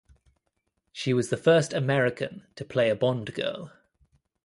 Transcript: She was the first American to play a Bond girl.